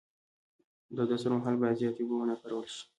د اودس پر مهال باید زیاتې اوبه و نه کارول شي.